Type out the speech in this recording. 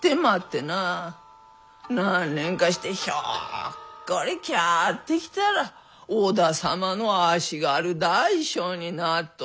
何年かしてひょっこり帰ってきたら織田様の足軽大将になっとった。